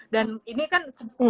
dan ini kan